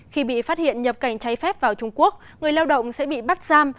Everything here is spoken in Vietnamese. khi bị phát hiện nhập cảnh trái phép vào trung quốc người lao động sẽ bị bắt giam